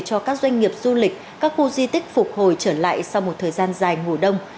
cho các doanh nghiệp du lịch các khu di tích phục hồi trở lại sau một thời gian dài ngủ đông